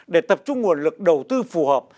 để tập trung nguồn lực đầu tư phù hợp